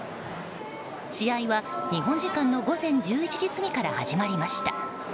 試合は、日本時間の午前１１時過ぎから始まりました。